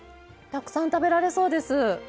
たくさん食べられそうです。